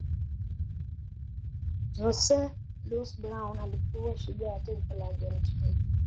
jose luis brown alikuwa shujaa wa taifa la argentina